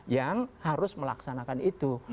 yang harus melaksanakan itu